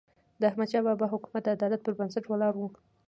د احمدشاه بابا حکومت د عدالت پر بنسټ ولاړ و.